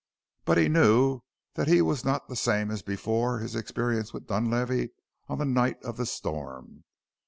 But he knew that he was not the same as before his experience with Dunlavey on the night of the storm.